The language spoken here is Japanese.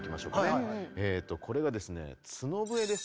これがですね角笛です。